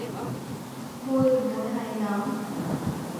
會唔會係噉